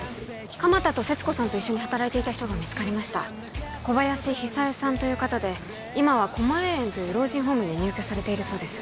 鎌田と勢津子さんと一緒に働いていた人が見つかりました小林久恵さんという方で今はこまえ苑という老人ホームに入居されているそうです